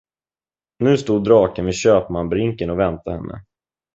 Nu stod draken vid Köpmanbrinken och väntade henne.